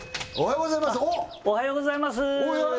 おはようございますおっ矢作！